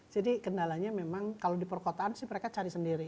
jadi kendalanya memang kalau di perkotaan sih mereka cari sendiri